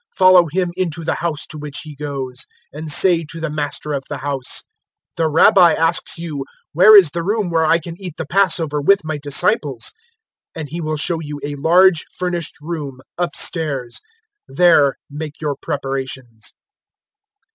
Follow him into the house to which he goes, 022:011 and say to the master of the house, "`The Rabbi asks you, Where is the room where I can eat the Passover with my disciples?' 022:012 "And he will show you a large furnished room upstairs. There make your preparations."